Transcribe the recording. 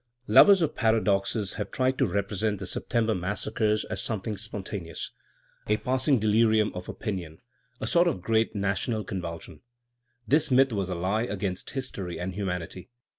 Lovers of paradoxes have tried to represent the September massacres as something spontaneous, a passing delirium of opinion, a sort of great national convulsion. This myth was a lie against history and humanity.